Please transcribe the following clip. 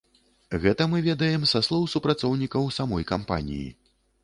Гэта мы ведаем са слоў супрацоўнікаў самой кампаніі.